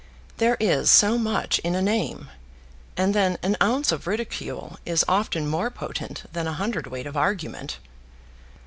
There is so much in a name, and then an ounce of ridicule is often more potent than a hundredweight of argument.